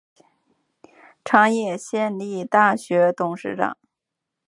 长野县立大学理事长。